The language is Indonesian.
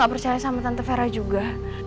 gak percaya sama tante vera juga